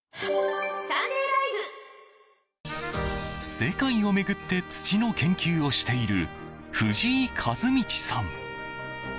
世界を巡って土の研究をしている藤井一至さん。